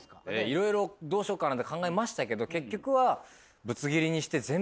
色々どうしようかなって考えましたけど結局は。